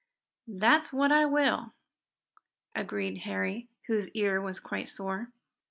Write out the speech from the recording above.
"That's what I will," agreed Harry, whose ear was quite sore.